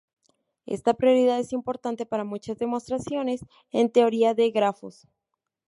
Esta propiedad es importante para muchas demostraciones en teoría de grafos.